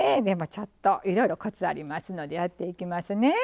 でもちょっといろいろコツありますのでやっていきますね。